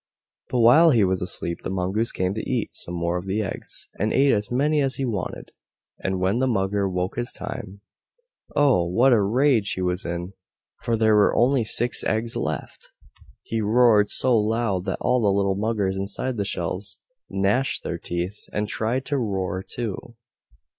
But while he was asleep the Mongoose came to eat some more of the eggs, and ate as many as he wanted, and when the Mugger woke this time, oh! WHAT a rage he was in, for there were only six eggs left! He roared so loud that all the little muggers inside the shells gnashed their teeth, and tried to roar too.